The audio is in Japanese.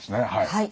はい。